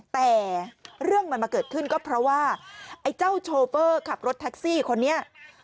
แต่เรื่องมันมาเกิดขึ้นก็เพราะว่าไอ้เจ้าโชเฟอร์ขับรถแท็กซี่คนนี้